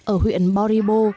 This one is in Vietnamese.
ở huyện boribo